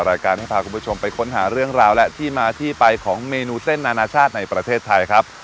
รายการให้พาคุณผู้ชมไปค้นหาเรื่องราวและที่มาที่ไปของเมนูเส้นนานาชาติในประเทศไทยครับ